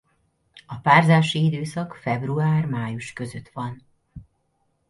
A párzási időszak február–május között van.